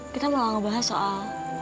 kita malah ngebahas soal